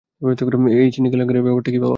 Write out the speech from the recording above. এই চিনি কেলেংকারির ব্যাপারটা কী বাবা?